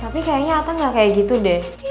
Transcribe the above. tapi kayaknya atta gak kayak gitu deh